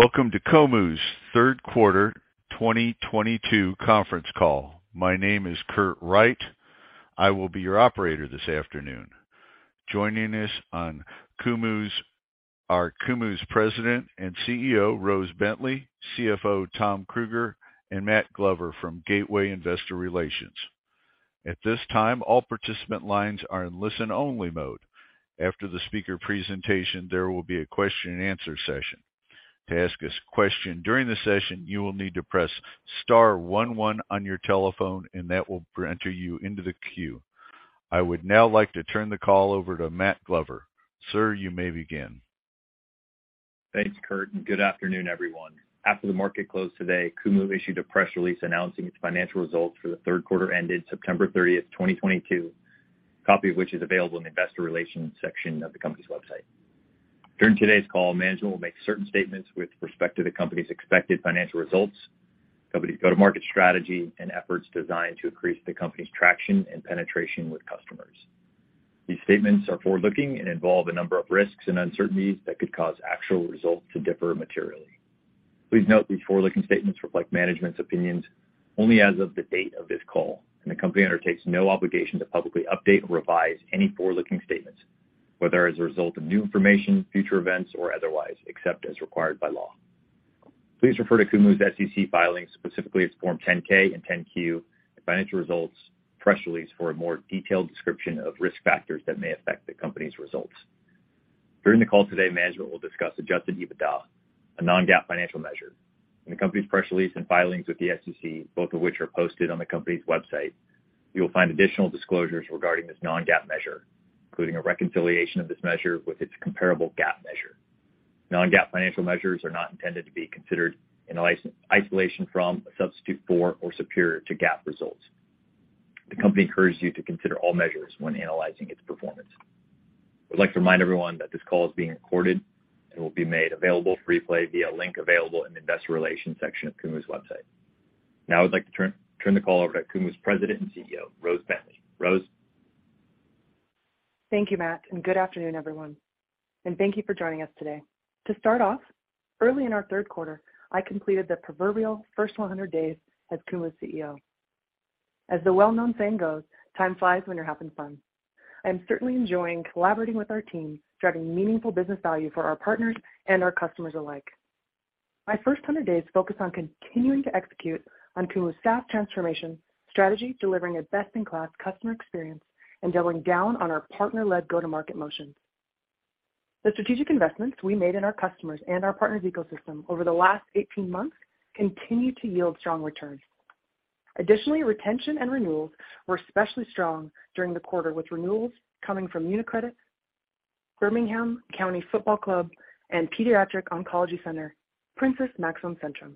Welcome to Qumu's Q3 2022 Conference Call. My name is Kurt Wright. I will be your operator this afternoon. Joining us are Qumu's President and CEO, Rose Bentley, CFO Tom Krueger, and Matt Glover from Gateway Investor Relations. At this time, all participant lines are in listen-only mode. After the speaker presentation, there will be a question and answer session. To ask us a question during the session, you will need to press star one one on your telephone and that will enter you into the queue. I would now like to turn the call over to Matt Glover. Sir, you may begin. Thanks, Kurt, and good afternoon, everyone. After the market closed today, Qumu issued a press release announcing its financial results for the Q3 ended September 30, 2022. A copy of which is available in the investor relations section of the company's website. During today's call, management will make certain statements with respect to the company's expected financial results, company's go-to-market strategy, and efforts designed to increase the company's traction and penetration with customers. These statements are forward-looking and involve a number of risks and uncertainties that could cause actual results to differ materially. Please note these forward-looking statements reflect management's opinions only as of the date of this call, and the company undertakes no obligation to publicly update or revise any forward-looking statements, whet her as a result of new information, future events, or otherwise, except as required by law. Please refer to Qumu's SEC filings, specifically its Form 10-K and 10-Q, and financial results, press release for a more detailed description of risk factors that may affect the company's results. During the call today, management will discuss adjusted EBITDA, a non-GAAP financial measure. In the company's press release and filings with the SEC, both of which are posted on the company's website, you will find additional disclosures regarding this non-GAAP measure, including a reconciliation of this measure with its comparable GAAP measure. Non-GAAP financial measures are not intended to be considered in isolation from, a substitute for, or superior to GAAP results. The company encourages you to consider all measures when analyzing its performance. I would like to remind everyone that this call is being recorded and will be made available for replay via a link available in the investor relations section of Qumu's website. Now I would like to turn the call over to Qumu's President and CEO, Rose Bentley. Rose? Thank you, Matt, and good afternoon, everyone. Thank you for joining us today. To start off, early in our Q3 I completed the proverbial first 100 days as Qumu's CEO. As the well-known saying goes, time flies when you're having fun. I am certainly enjoying collaborating with our team, driving meaningful business value for our partners and our customers alike. My first 100 days focused on continuing to execute on Qumu's SaaS transformation strategy, delivering a best-in-class customer experience, and doubling down on our partner-led go-to-market motions. The strategic investments we made in our customers and our partners' ecosystem over the last 18 months continue to yield strong returns. Additionally, retention and renewals were especially strong during the quarter, with renewals coming from UniCredit, Birmingham City Football Club, and pediatric oncology center, Prinses Máxima Centrum.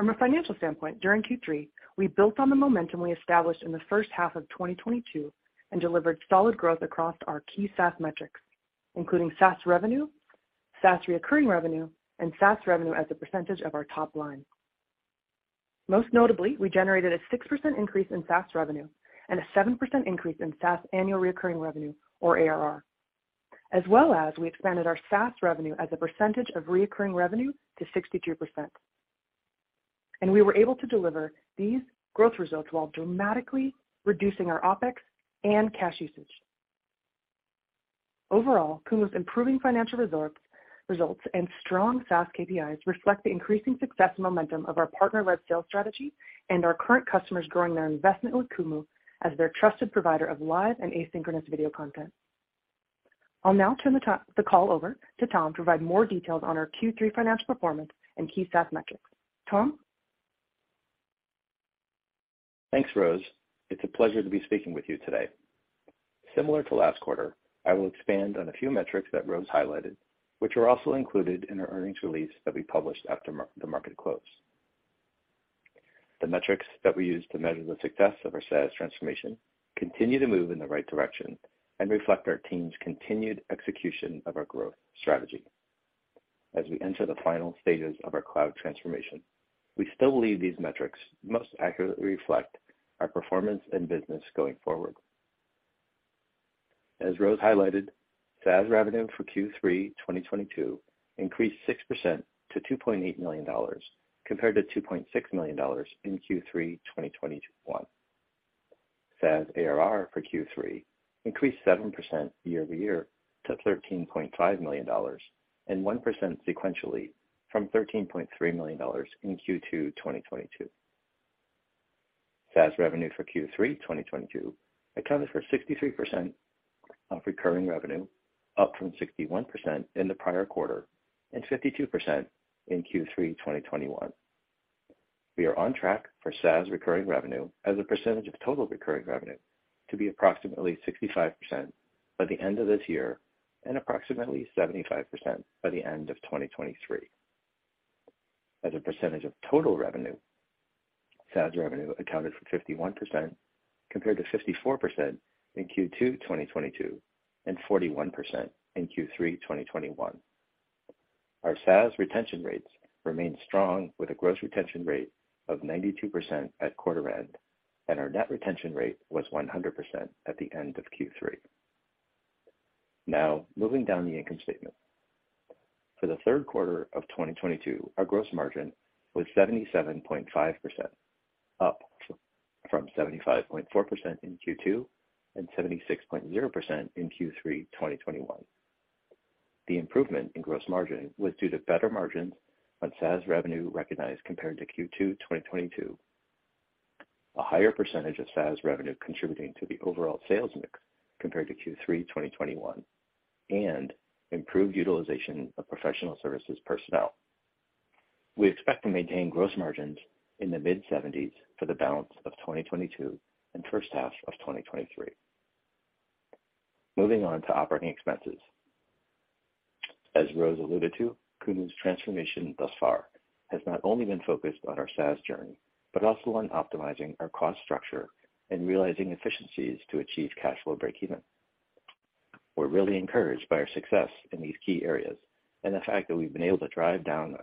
From a financial standpoint, during Q3, we built on the momentum we established in the H1 of 2022, and delivered solid growth across our key SaaS metrics, including SaaS revenue, SaaS recurring revenue, and SaaS revenue as a percentage of our top line. Most notably, we generated a 6% increase in SaaS revenue and a 7% increase in SaaS annual recurring revenue or ARR. We also expanded our SaaS revenue as a percentage of recurring revenue to 62%. We were able to deliver these growth results while dramatically reducing our OPEX and cash usage. Overall, Qumu's improving financial results and strong SaaS KPIs reflect the increasing success and momentum of our partner-led sales strategy and our current customers growing their investment with Qumu as their trusted provider of live and asynchronous video content. I'll now turn the call over to Tom to provide more details on our Q3 financial performance and key SaaS metrics. Tom? Thanks, Rose. It's a pleasure to be speaking with you today. Similar to last quarter, I will expand on a few metrics that Rose highlighted, which are also included in our earnings release that we published after the market close. The metrics that we use to measure the success of our SaaS transformation continue to move in the right direction and reflect our team's continued execution of our growth strategy. As we enter the final stages of our cloud transformation, we still believe these metrics most accurately reflect our performance and business going forward. As Rose highlighted, SaaS revenue for Q3 2022 increased 6% to $2.8 million compared to $2.6 million in Q3 2021. SaaS ARR for Q3 increased 7% year-over-year to $13.5 million and 1% sequentially from $13.3 million in Q2 2022. SaaS revenue for Q3 2022 accounted for 63% of recurring revenue, up from 61% in the prior quarter and 52% in Q3 2021. We are on track for SaaS recurring revenue as a percentage of total recurring revenue to be approximately 65% by the end of this year and approximately 75% by the end of 2023. As a percentage of total revenue, SaaS revenue accounted for 51% compared to 54% in Q2 2022 and 41% in Q3 2021. Our SaaS retention rates remain strong with a gross retention rate of 92% at quarter end, and our net retention rate was 100% at the end of Q3. Now moving down the income statement. For the Q3 of 2022, our gross margin was 77.5%, up from 75.4% in Q2 and 76.0% in Q3 2021. The improvement in gross margin was due to better margins on SaaS revenue recognized compared to Q2 2022. A higher percentage of SaaS revenue contributing to the overall sales mix compared to Q3 2021, and improved utilization of professional services personnel. We expect to maintain gross margins in the mid-seventies for the balance of 2022 and H1 of 2023. Moving on to operating expenses. As Rose alluded to, Qumu's transformation thus far has not only been focused on our SaaS journey, but also on optimizing our cost structure and realizing efficiencies to achieve cash flow breakeven. We're really encouraged by our success in these key areas and the fact that we've been able to drive down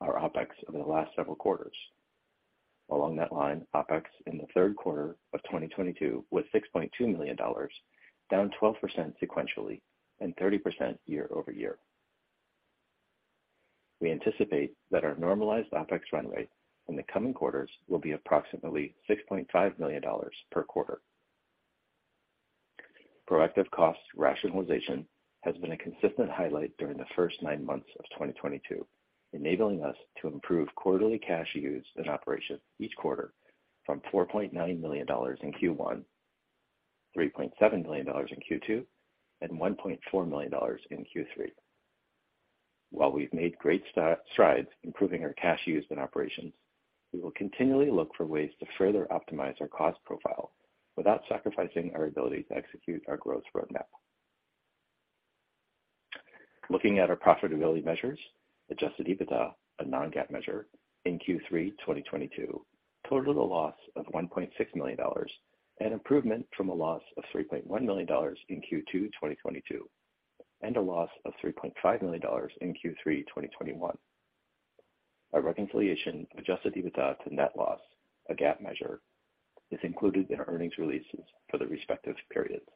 our OpEx over the last several quarters. Along that line, OpEx in the Q3 of 2022 was $6.2 million, down 12% sequentially and 30% year-over-year. We anticipate that our normalized OpEx runway in the coming quarters will be approximately $6.5 million per quarter. Proactive cost rationalization has been a consistent highlight during the first nine months of 2022, enabling us to improve quarterly cash use in operations each quarter from $4.9 million in Q1, $3.7 million in Q2, and $1.4 million in Q3. While we've made great strides improving our cash use in operations, we will continually look for ways to further optimize our cost profile without sacrificing our ability to execute our growth roadmap. Looking at our profitability measures, adjusted EBITDA, a non-GAAP measure in Q3 2022 totaled a loss of $1.6 million, an improvement from a loss of $3.1 million in Q2 2022, and a loss of $3.5 million in Q3 2021. Our reconciliation of adjusted EBITDA to net loss, a GAAP measure, is included in our earnings releases for the respective periods.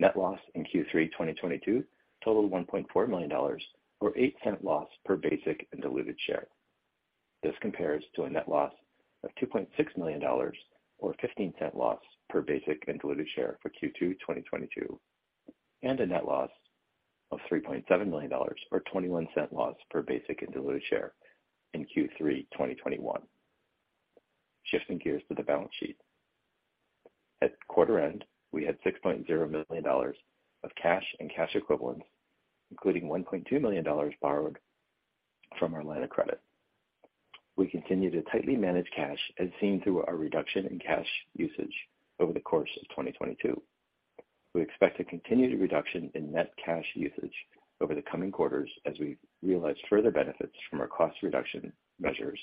Net loss in Q3 2022 totaled $1.4 million or $0.08 loss per basic and diluted share. This compares to a net loss of $2.6 million or $0.15 loss per basic and diluted share for Q2 2022, and a net loss of $3.7 million or $0.21 loss per basic and diluted share in Q3 2021. Shifting gears to the balance sheet. At quarter end, we had $6.0 million of cash and cash equivalents, including $1.2 million borrowed from our line of credit. We continue to tightly manage cash as seen through our reduction in cash usage over the course of 2022. We expect a continued reduction in net cash usage over the coming quarters as we realize further benefits from our cost reduction measures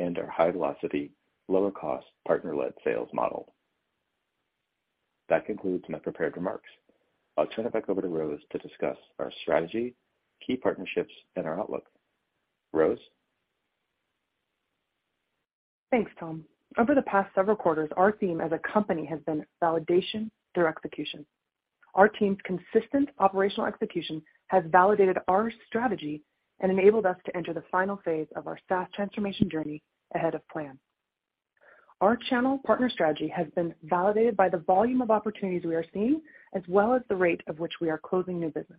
and our high velocity, lower cost partner-led sales model. That concludes my prepared remarks. I'll turn it back over to Rose to discuss our strategy, key partnerships, and our outlook. Rose? Thanks, Tom. Over the past several quarters, our theme as a company has been validation through execution. Our team's consistent operational execution has validated our strategy and enabled us to enter the final phase of our SaaS transformation journey ahead of plan. Our channel partner strategy has been validated by the volume of opportunities we are seeing, as well as the rate of which we are closing new business.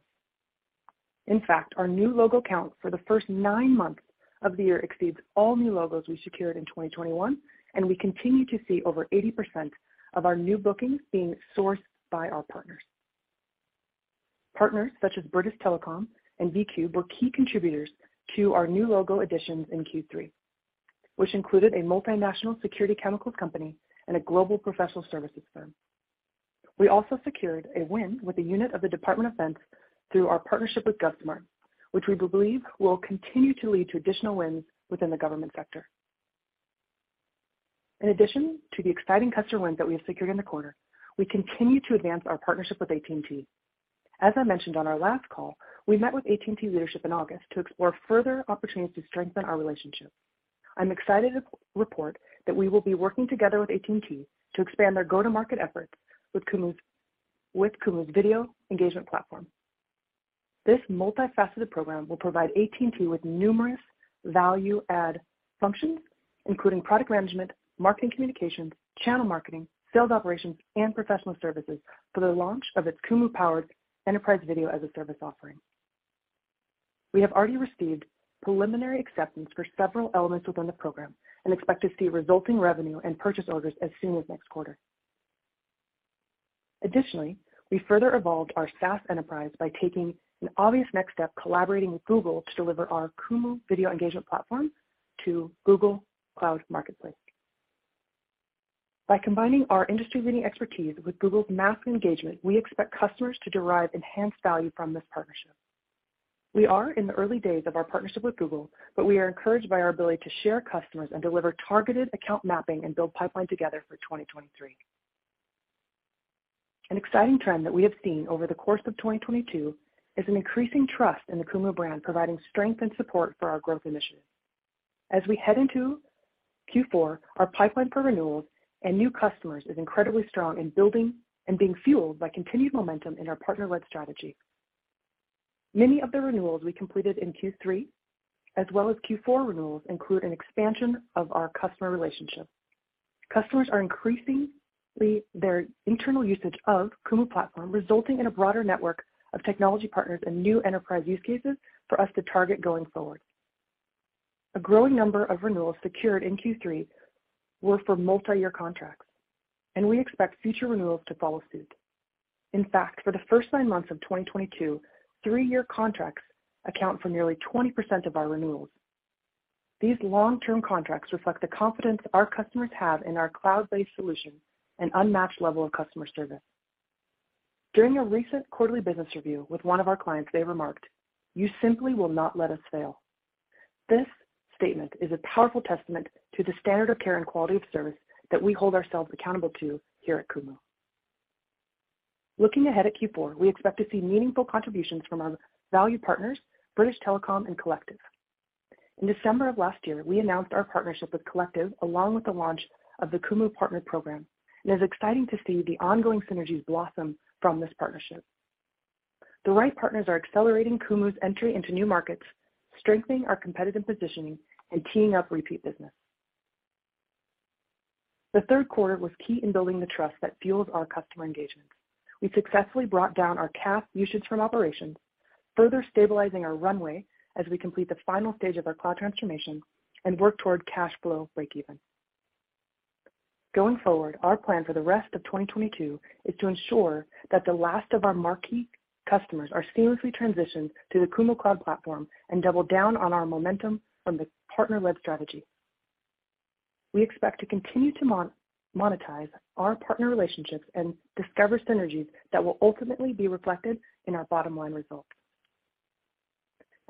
In fact, our new logo count for the first nine months of the year exceeds all new logos we secured in 2021, and we continue to see over 80% of our new bookings being sourced by our partners. Partners such as British Telecom and VIQ were key contributors to our new logo additions in Q3, which included a multinational security chemicals company and a global professional services firm. We also secured a win with a unit of the Department of Defense through our partnership with Carahsoft, which we believe will continue to lead to additional wins within the government sector. In addition to the exciting customer wins that we have secured in the quarter, we continue to advance our partnership with AT&T. As I mentioned on our last call, we met with AT&T leadership in August to explore further opportunities to strengthen our relationship. I'm excited to report that we will be working together with AT&T to expand their go-to-market efforts with Qumu's Video Engagement Platform. This multifaceted program will provide AT&T with numerous value add functions, including product management, marketing communications, channel marketing, sales operations, and professional services for the launch of its Qumu-powered enterprise video as a service offering. We have already received preliminary acceptance for several elements within the program and expect to see resulting revenue and purchase orders as soon as next quarter. Additionally, we further evolved our SaaS enterprise by taking an obvious next step, collaborating with Google to deliver our Qumu Video Engagement Platform to Google Cloud Marketplace. By combining our industry leading expertise with Google's mass engagement, we expect customers to derive enhanced value from this partnership. We are in the early days of our partnership with Google, but we are encouraged by our ability to share customers and deliver targeted account mapping and build pipeline together for 2023. An exciting trend that we have seen over the course of 2022 is an increasing trust in the Qumu brand, providing strength and support for our growth initiatives. As we head into Q4, our pipeline for renewals and new customers is incredibly strong in building and being fueled by continued momentum in our partner-led strategy. Many of the renewals we completed in Q3 as well as Q4 renewals include an expansion of our customer relationships. Customers are increasing their internal usage of Qumu platform, resulting in a broader network of technology partners and new enterprise use cases for us to target going forward. A growing number of renewals secured in Q3 were for multi-year contracts, and we expect future renewals to follow suit. In fact, for the first nine months of 2022, three-year contracts account for nearly 20% of our renewals. These long-term contracts reflect the confidence our customers have in our cloud-based solution and unmatched level of customer service. During a recent quarterly business review with one of our clients, they remarked, "You simply will not let us fail." This statement is a powerful testament to the standard of care and quality of service that we hold ourselves accountable to here at Qumu. Looking ahead at Q4, we expect to see meaningful contributions from our value partners, British Telecom and Kollective. In December of last year, we announced our partnership with Kollective along with the launch of the Qumu Partner Program, and it is exciting to see the ongoing synergies blossom from this partnership. The right partners are accelerating Qumu's entry into new markets, strengthening our competitive positioning and teeing up repeat business. The Q3 was key in building the trust that fuels our customer engagement. We successfully brought down our cash usage from operations, further stabilizing our runway as we complete the final stage of our cloud transformation and work toward cash flow breakeven. Going forward, our plan for the rest of 2022 is to ensure that the last of our marquee customers are seamlessly transitioned to the Qumu cloud platform and double down on our momentum from the partner-led strategy. We expect to continue to monetize our partner relationships and discover synergies that will ultimately be reflected in our bottom line results.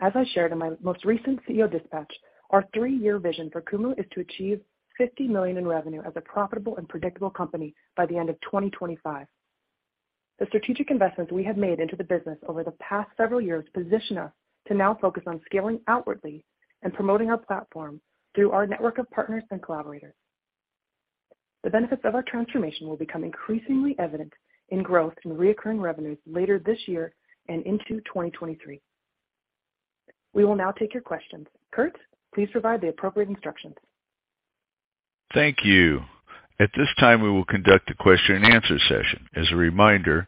As I shared in my most recent CEO dispatch, our three-year vision for Qumu is to achieve $50 million in revenue as a profitable and predictable company by the end of 2025. The strategic investments we have made into the business over the past several years position us to now focus on scaling outwardly and promoting our platform through our network of partners and collaborators. The benefits of our transformation will become increasingly evident in growth in recurring revenues later this year and into 2023. We will now take your questions. Kurt, please provide the appropriate instructions. Thank you. At this time, we will conduct a question and answer session. As a reminder,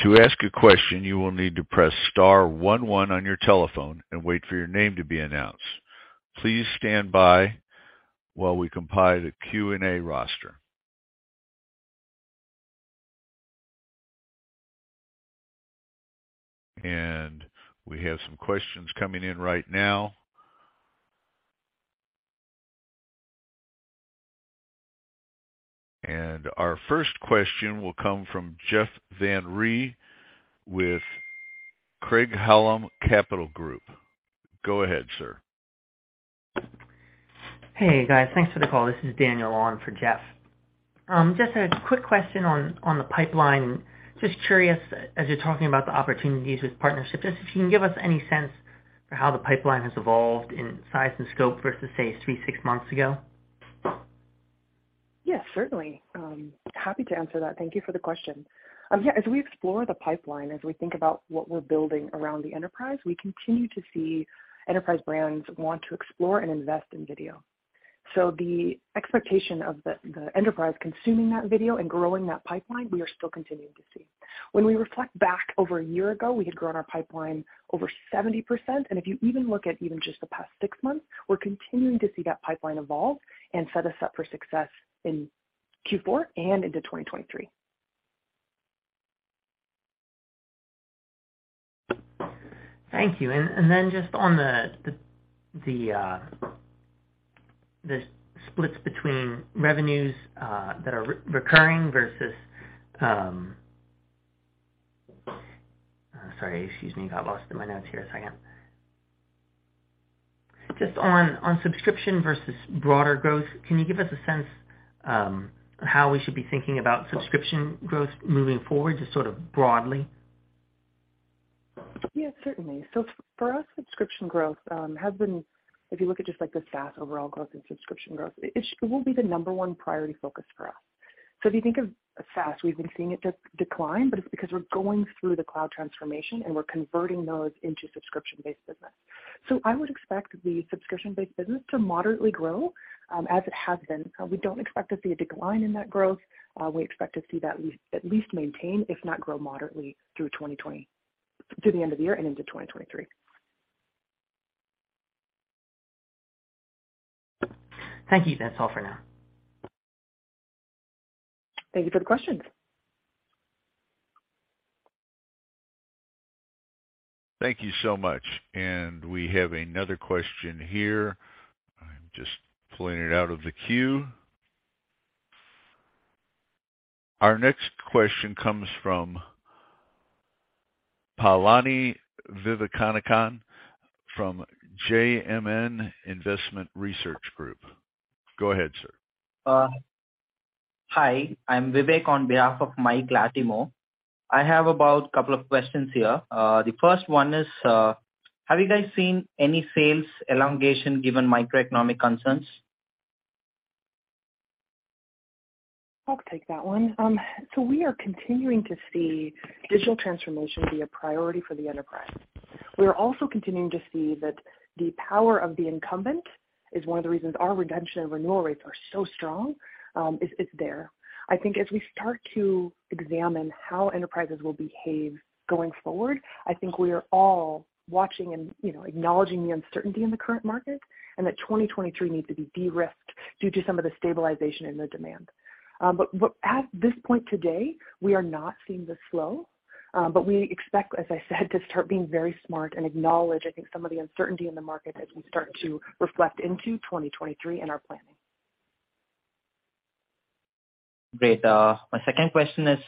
to ask a question, you will need to press star one one on your telephone and wait for your name to be announced. Please stand by while we compile the Q&A roster. We have some questions coming in right now. Our first question will come from Jeff Van Rhee with Craig-Hallum Capital Group. Go ahead, sir. Hey, guys. Thanks for the call. This is Daniel on for Jeff. Just a quick question on the pipeline. Just curious, as you're talking about the opportunities with partnerships, if you can give us any sense for how the pipeline has evolved in size and scope versus, say, three, six months ago. Yes, certainly. Happy to answer that. Thank you for the question. Yeah, as we explore the pipeline, as we think about what we're building around the enterprise, we continue to see enterprise brands want to explore and invest in video. The expectation of the enterprise consuming that video and growing that pipeline, we are still continuing to see. When we reflect back over a year ago, we had grown our pipeline over 70%. If you even look at even just the past six months, we're continuing to see that pipeline evolve and set us up for success in Q4 and into 2023. Thank you. Just on the splits between revenues that are recurring versus. Sorry, excuse me, got lost in my notes here a second. Just on subscription versus broader growth, can you give us a sense how we should be thinking about subscription growth moving forward, just sort of broadly? Yeah, certainly. For us, subscription growth has been. If you look at just like the SaaS overall growth and subscription growth, it will be the number one priority focus for us. If you think of SaaS, we've been seeing it decline, but it's because we're going through the cloud transformation and we're converting those into subscription-based business. I would expect the subscription-based business to moderately grow, as it has been. We don't expect to see a decline in that growth. We expect to see that we at least maintain, if not grow moderately through 2022 through the end of the year and into 2023. Thank you. That's all for now. Thank you for the question. Thank you so much. We have another question here. I'm just pulling it out of the queue. Our next question comes from Palani Vivekanandhan from JMN Investment Research Group. Go ahead, sir. Hi, I'm Vivek on behalf of Michael Latimore. I have a couple of questions here. The first one is, have you guys seen any sales elongation given microeconomic concerns? I'll take that one. We are continuing to see digital transformation be a priority for the enterprise. We are also continuing to see that the power of the incumbent is one of the reasons our retention and renewal rates are so strong, is there. I think as we start to examine how enterprises will behave going forward, I think we are all watching and, you know, acknowledging the uncertainty in the current market and that 2023 needs to be de-risked due to some of the stabilization in the demand. At this point today, we are not seeing the slowdown, but we expect, as I said, to start being very smart and acknowledge, I think, some of the uncertainty in the market as we start to reflect into 2023 in our planning. Great. My second question is,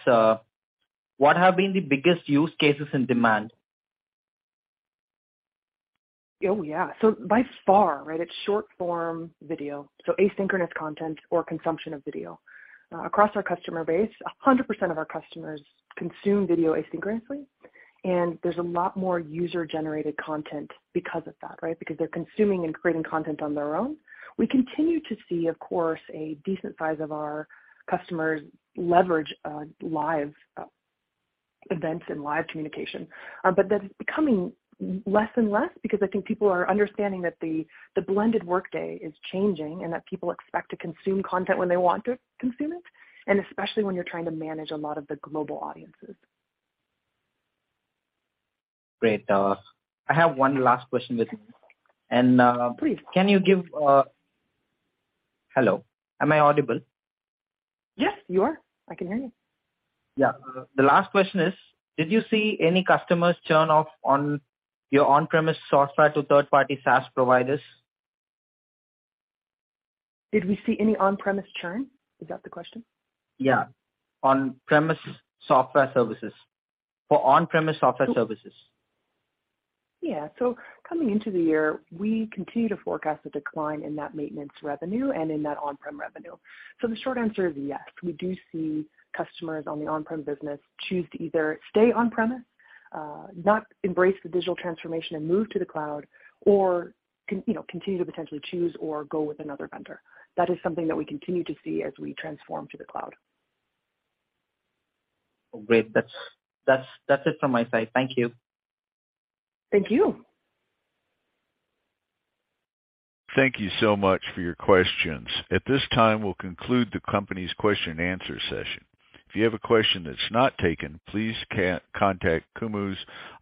what have been the biggest use cases in demand? By far, right, it's short-form video, so asynchronous content or consumption of video. Across our customer base, 100% of our customers consume video asynchronously, and there's a lot more user-generated content because of that, right? Because they're consuming and creating content on their own. We continue to see, of course, a decent size of our customers leverage live events and live communication. But that's becoming less and less because I think people are understanding that the blended workday is changing and that people expect to consume content when they want to consume it, and especially when you're trying to manage a lot of the global audiences. Great. I have one last question with me. Please. Hello, am I audible? Yes, you are. I can hear you. Yeah. The last question is, did you see any customers churn off on your on-premise software to third-party SaaS providers? Did we see any on-premise churn? Is that the question? Yeah. On-premise software services. For on-premise software services. Yeah. Coming into the year, we continue to forecast a decline in that maintenance revenue and in that on-prem revenue. The short answer is yes, we do see customers on the on-premise business choose to either stay on-premise, not embrace the digital transformation and move to the cloud or you know, continue to potentially choose or go with another vendor. That is something that we continue to see as we transform to the cloud. Great. That's it from my side. Thank you. Thank you. Thank you so much for your questions. At this time, we'll conclude the company's question and answer session. If you have a question that's not taken, please contact Qumu's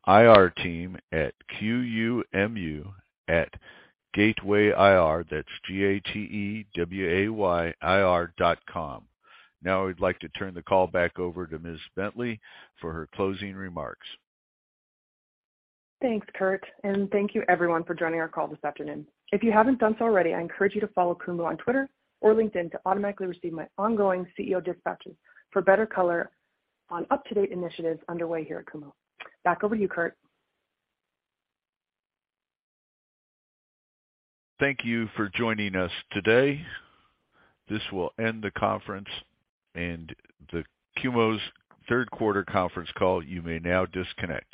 IR team at QUMU@gatewayir.com, that's G-A-T-E-W-A-Y-I-R.com. Now I'd like to turn the call back over to Ms. Bentley for her closing remarks. Thanks, Kurt, and thank you everyone for joining our call this afternoon. If you haven't done so already, I encourage you to follow Qumu on X or LinkedIn to automatically receive my ongoing CEO dispatches for better color on up-to-date initiatives underway here at Qumu. Back over to you, Kurt. Thank you for joining us today. This will end the conference and the Qumu's Q3 Conference Call. You may now disconnect.